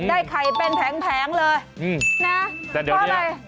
ได้ไข่เป็นแพงเลย